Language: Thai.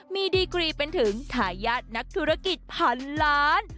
มีดีกรีเป็นถึงทายาทนักธุรกิจพันล้าน